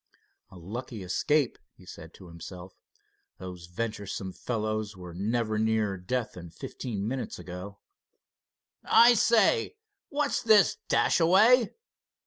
"A lucky escape," he said to himself. "Those venturesome fellows were never nearer death than fifteen minutes ago." "I say, what's this, Dashaway!"